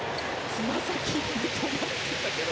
つま先で止まってたけど。